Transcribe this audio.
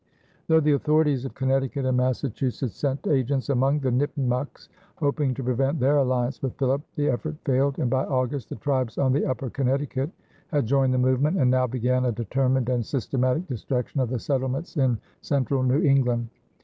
Though the authorities of Connecticut and Massachusetts sent agents among the Nipmucks hoping to prevent their alliance with Philip, the effort failed, and by August the tribes on the upper Connecticut had joined the movement and now began a determined and systematic destruction of the settlements in central New England.